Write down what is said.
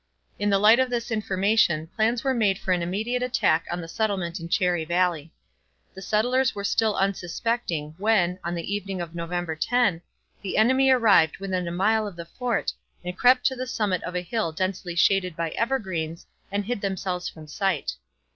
In the light of this information plans were made for an immediate attack on the settlement in Cherry Valley. The settlers were still unsuspecting, when, on the evening of November 10, the enemy arrived within a mile of the fort and crept to the summit of a hill densely shaded by evergreens, and hid themselves from sight.